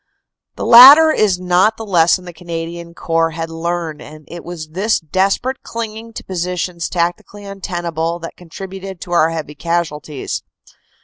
The latter is not the lesson the Canadian Corps had learned, and it was this desperate clinging to positions tacti cally untenable that contributed to our heavy casualties.